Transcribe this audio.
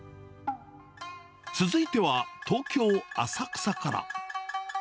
続いては、東京・浅草から。